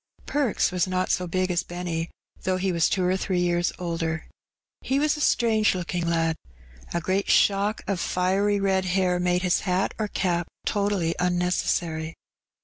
Perks was not so big as Benny, though he was two or three years older. He was a strange looking lad. A great shock of fiery red hair made hat or cap totally unnecessary.